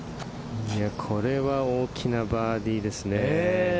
これは大きなバーディーですね。